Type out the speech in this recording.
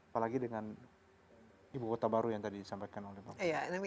apalagi dengan ibu kota baru yang tadi disampaikan oleh bang